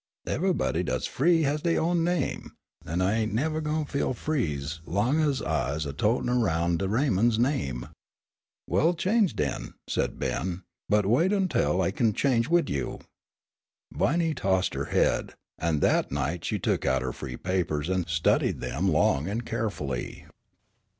"Evahbody dat's free has dey own name, an' I ain' nevah goin' feel free's long ez I's a totin' aroun' de Raymonds' name." "Well, change den," said Ben; "but wait ontwell I kin change wid you." Viney tossed her head, and that night she took out her free papers and studied them long and carefully.